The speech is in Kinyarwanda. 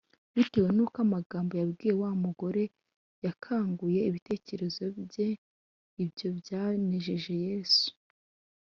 . Bitewe n’uko amagambo yabwiye wa mugore yakanguye ibitekerezo bye, ibyo byanejeje Yesu.